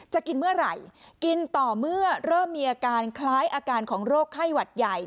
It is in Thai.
จะกินเมื่อไหร่กินต่อเมื่อเริ่มมีอาการคล้ายอาการของโรคไข้หวัดใหญ่